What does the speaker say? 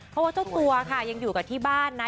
เพราะว่าเจ้าตัวค่ะยังอยู่กับที่บ้านนะ